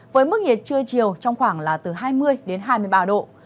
với mức nhiệt trưa chiều trong khoảng là từ hai mươi đến hai mươi ba độ